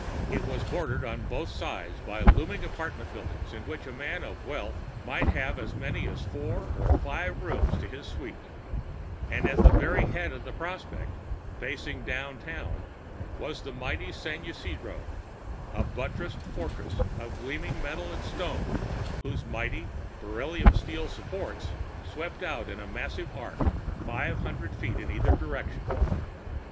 It was bordered on both sides by looming apartment buildings in which a man of wealth might have as many as four or five rooms to his suite; and at the very head of the Prospect, facing down town, was the mighty San Isidro, a buttressed fortress of gleaming metal and stone whose mighty, beryllium steel supports swept out in a massive arc five hundred feet in either direction.